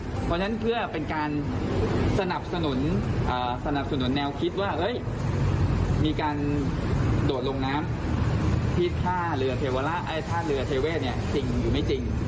เพราะฉะนั้นเพื่อเป็นการสนับสนุนแนวคิดว่ามีการโดดลงน้ำที่ถ้าเรือเทเว่จริงหรือไม่จริง